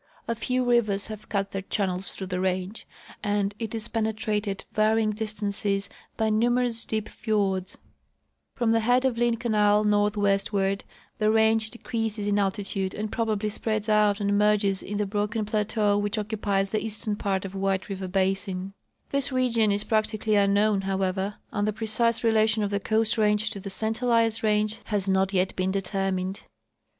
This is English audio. A few rivers have cut their channels through the range, and it is penetrated varying distances by numerous deep fiords. From the head of Lynn canal northwestward the range decreases in altitude and probably spreads out and merges in the broken * Am. Jour. Sci., 3d series, vol. xliii, 1892, pi. iv. Mountain Sj/stem and Ranges. 129 ])lateau which occupies the eastern part of White River basin. This region is practically unknown, however, and the precise relation of the Coast range to the St Elias range has not yet been determined.